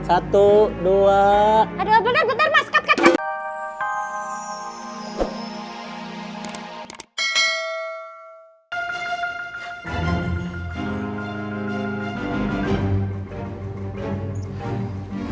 aduh bentar bentar mas cut cut cut